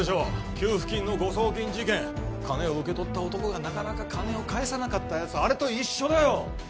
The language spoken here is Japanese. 給付金の誤送金事件金を受け取った男がなかなか金を返さなかったやつあれと一緒だよ！